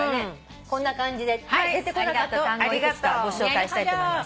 こんな感じで出てこなかった単語を幾つかご紹介したいと思います。